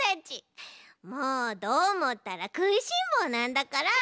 もうどーもったらくいしんぼうなんだから！